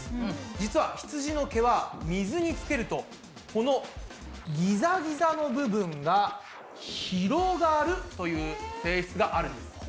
実はひつじの毛は水につけるとこのギザギザの部分が広がるという性質があるんです。